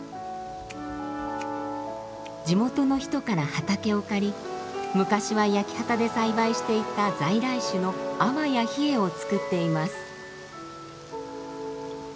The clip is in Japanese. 地元の人から畑を借り昔は焼き畑で栽培していた在来種のアワやヒエを作っています。